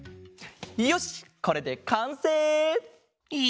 よしこれでかんせい！